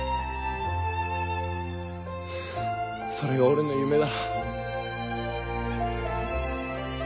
それが俺の夢だ。